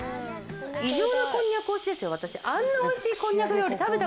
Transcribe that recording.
異常なこんにゃく推しですよ、私。